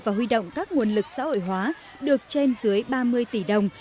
và huy động các nguồn lực xã hội hóa được trên dưới ba mươi tỷ đồng